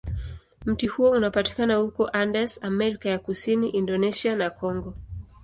Mti huo unapatikana huko Andes, Amerika ya Kusini, Indonesia, na Kongo.